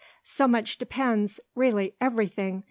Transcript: "So much depends really everything!"